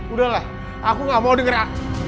udah lah aku gak mau denger a